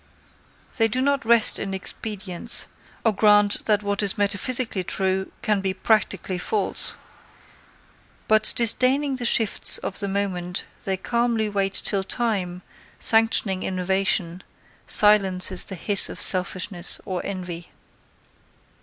They do not rest in expedients, or grant that what is metaphysically true can be practically false; but disdaining the shifts of the moment they calmly wait till time, sanctioning innovation, silences the hiss of selfishness or envy.